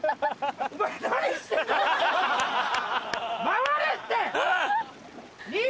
回れって！